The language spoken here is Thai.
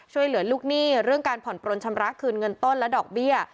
ช่วยเหลือลูกหนี้เรื่องการผ่อนปลนชำระคืนเงินต้นและดอกเบี้ย